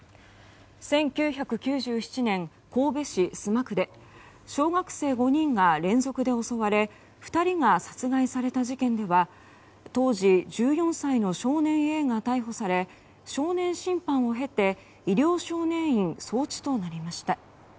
１９９７年、神戸市須磨区で小学生５人が連続で襲われ２人が殺害された事件では当時１４歳の少年Ａが逮捕され少年審判を経て医療少年院送致となりました。